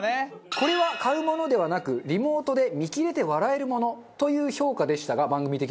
これは買うものではなくリモートで見切れて笑えるものという評価でしたが番組的には。